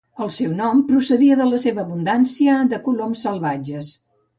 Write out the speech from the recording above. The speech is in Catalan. El seu nom procedia de la seva abundància de coloms salvatges.